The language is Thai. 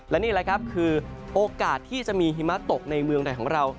และนี่แหละครับคือโอกาสที่จะมีหิมะตกในเมืองไทยของเรา